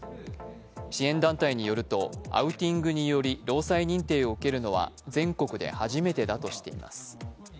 支援団体によるとアウティングにより労災認定を受けるのは全国で初めてだとしています。